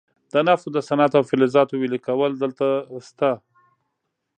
د نفتو د صنعت او فلزاتو ویلې کول دلته شته دي.